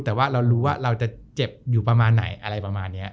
แต่ว่าเราจะเจ็บอยู่ประมาณไหน